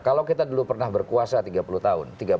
kalau kita dulu pernah berkuasa tiga puluh tahun